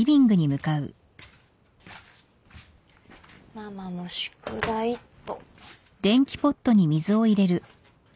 ママも宿題っと。